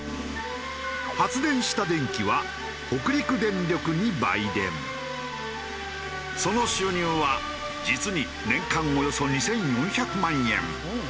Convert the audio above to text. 発電したその収入は実に年間およそ２４００万円。